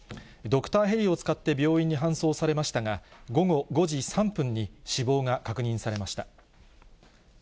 ドクターヘリを使って病院に搬送されましたが、午後５時３分に、死亡が確認されました。